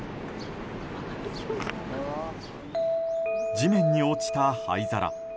地面に落ちた灰皿。